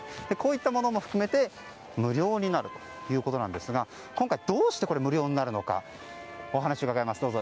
こういったものも含めて無料になるということですが今回、どうして無料になるのかお話を伺います。